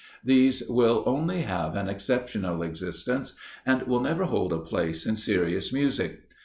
These will only have an exceptional existence, and will never hold a place in serious music.